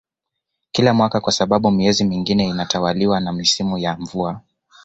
kila mwaka kwa sababu miezi mingine inatawaliwa na msimu wa mvua